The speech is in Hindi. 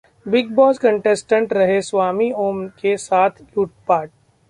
'बिग बॉस' कंटेस्टेंट रहे स्वामी ओम के साथ लूटपाट